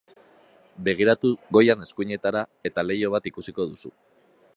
Begiratu goian eskuinetara eta leiho bat ikusiko duzu.